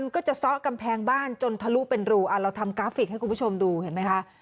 ก็จะซ้อกำแพงบ้านจนทะลุเป็นรูเราทำกราฟิกให้คุณผู้ชมดูเห็นไหมคะ